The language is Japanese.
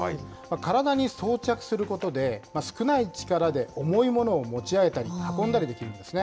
体に装着することで、少ない力で重いものを持ち上げたり、運んだりできるんですね。